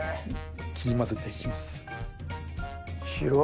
切り混ぜて行きます。